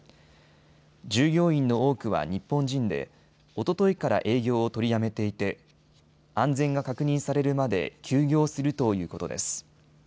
従業員の多くは日本人でおとといから営業を取りやめていて安全が確認されるまで休業するということです。